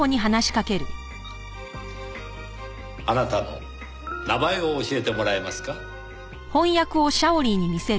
あなたの名前を教えてもらえますか？